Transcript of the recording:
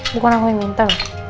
bukan aku yang minta